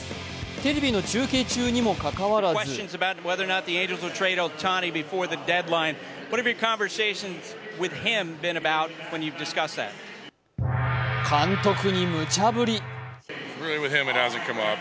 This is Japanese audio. テレビの中継中にもかかわらず監督にむちゃぶり。